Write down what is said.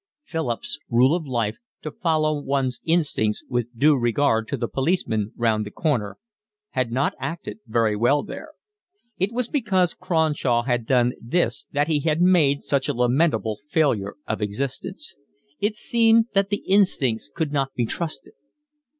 Philip's rule of life, to follow one's instincts with due regard to the policeman round the corner, had not acted very well there: it was because Cronshaw had done this that he had made such a lamentable failure of existence. It seemed that the instincts could not be trusted.